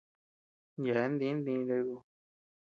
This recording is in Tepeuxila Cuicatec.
Yeabean di ntiñu ndoyo ku.